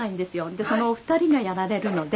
でそのお二人がやられるので。